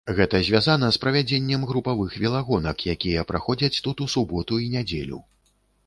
Гэта звязана з правядзеннем групавых велагонак, якія праходзяць тут у суботу і нядзелю.